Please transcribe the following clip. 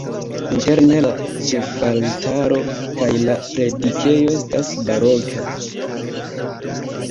Interne la ĉefaltaro kaj la predikejo estas baroka.